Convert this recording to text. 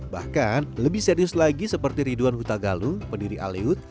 bahkan lebih serius lagi seperti ridwan hutagalu pendiri alleut